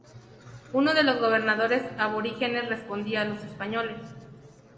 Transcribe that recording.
Uno de los gobernadores aborígenes respondía a los españoles.